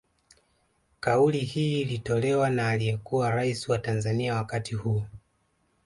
Kauli hii ilitolewa na aliyekuwa raisi wa Tanzania wakati huo